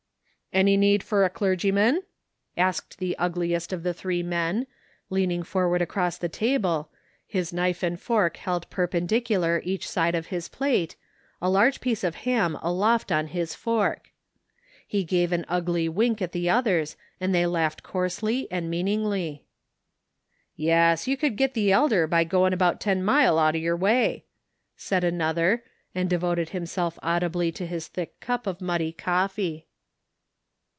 "Any need f er a clergyman ?^^ asked the ugliest of the three men, leaning forward across the table, his knife and fork held perpendicular each side of his plate, a large piece of ham aloft on his fork. He 70 THE FINDING OF JASPER HOLT gave an ugly wink at the others and they laughed coarsely and meaningly. " Yas, you could git the dder by goin' about ten mile out o' yer way/' added another, and devoted him self audibly to his thick cup of muddy coffee.